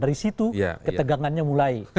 dari situ ketegangannya mulai